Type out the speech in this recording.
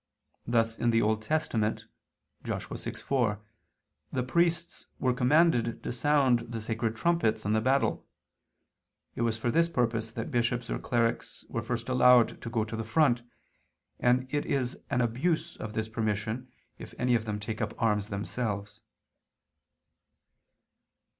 Thus in the Old Testament (Joshua 6:4) the priests were commanded to sound the sacred trumpets in the battle. It was for this purpose that bishops or clerics were first allowed to go to the front: and it is an abuse of this permission, if any of them take up arms themselves.